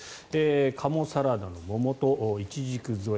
カモサラダのモモとイチジク添え